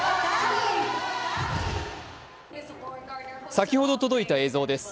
先ほど届いた映像です。